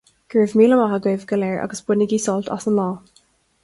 Go raibh míle maith agaibh go léir, agus bainigí sult as an lá